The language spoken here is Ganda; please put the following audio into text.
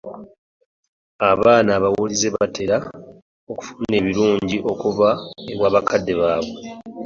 Abaana abawulize batera okufuna ebirungi okuva ewa bakadde baabwe.